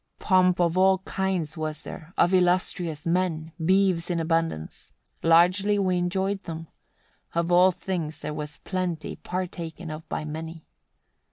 93. Pomp of all kinds was there, of illustrious men, beeves in abundance: largely we enjoyed them. Of all things there was plenty partaken of by many.